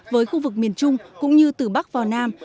với khu vực miền trung cũng như từ bắc vào nam